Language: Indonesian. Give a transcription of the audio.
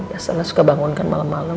biasanya suka bangunkan malem malem